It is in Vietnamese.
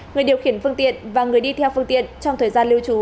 người điều khiển phương tiện và người đi theo phương tiện trong thời gian lưu trú